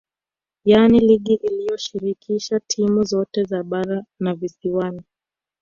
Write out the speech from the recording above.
Yaani ligi iliyoshirikisha timu zote za bara na visiwani